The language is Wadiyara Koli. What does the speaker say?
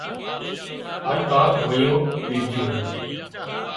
هانَ ڪانڪ هويوُون ليڌيون